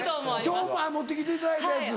今日持って来ていただいたやつ。